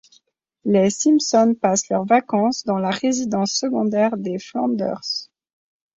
Les Simpson passent leurs vacances dans la résidence secondaire des Flanders.